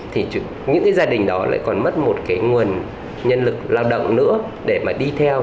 thì những cái gia đình đó lại còn mất một cái nguồn nhân lực lao động nữa để mà đi theo